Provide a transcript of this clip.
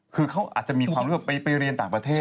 คือเขาอาจจะมีความรู้สึกว่าไปเรียนต่างประเทศ